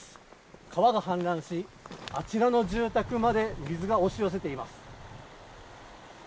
川が氾濫し、あちらの住宅まで水が押し寄せています。